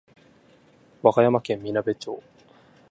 和歌山県みなべ町